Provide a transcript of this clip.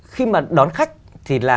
khi mà đón khách thì là